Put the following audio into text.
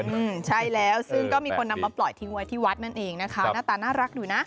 มันเป็นเพศเมีย